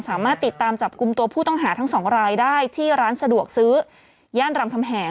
สามารถติดตามจับกลุ่มตัวผู้ต้องหาทั้งสองรายได้ที่ร้านสะดวกซื้อย่านรำคำแหง